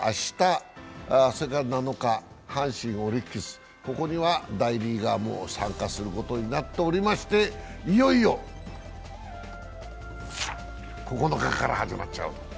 明日、７日には大リーガーも参加することになっておりまして、いよいよ９日から始まっちゃう。